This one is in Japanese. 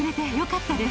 あよかった。